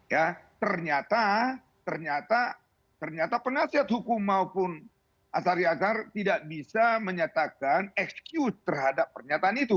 ya ternyata ternyata penasihat hukum maupun asaryakar tidak bisa menyatakan excuse terhadap pernyataan itu